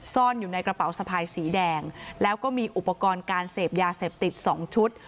ซ่อนอยู่ในกระเป๋าสะพายสีแดงแล้วก็มีอุปกรณ์การเสพยาเสพติดสองชุด